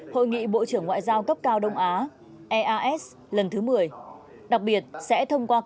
hội nghị bộ trưởng ngoại giao cấp cao đông á eas lần thứ một mươi